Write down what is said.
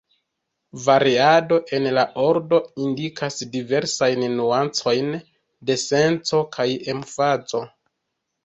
Variado en la ordo indikas diversajn nuancojn de senco kaj emfazo.